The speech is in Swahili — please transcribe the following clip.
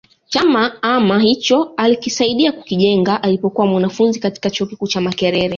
Chama ama hicho alikisaidia kukijenga alipokuwa mwanafunzi katika chuo kikuu cha Makerere